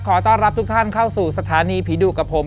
ขอต้อนรับทุกท่านเข้าสู่สถานีผีดุกับผม